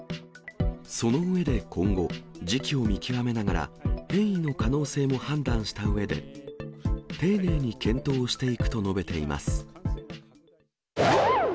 その上で今後、時期を見極めながら、変異の可能性も判断したうえで、丁寧に検討していくと述べています。